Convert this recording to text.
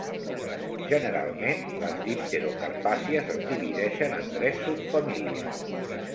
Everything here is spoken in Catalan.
Generalment les dipterocarpàcies es divideixen en tres subfamílies.